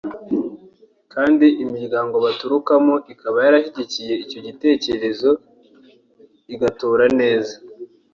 kandi imiryango baturukamo ikaba yarashyigikiye icyo gitekerezo igatora neza